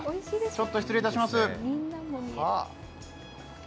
ちょっと失礼いたします。